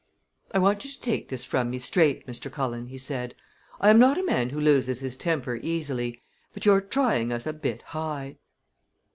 "I want you to take this from me straight, Mr. Cullen," he said. "I am not a man who loses his temper easily, but you're trying us a bit high."